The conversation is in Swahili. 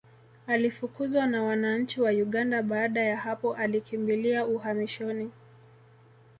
Alifukuzwa na wananchi wa Uganda baada ya hapo alikimbilia uhamishoni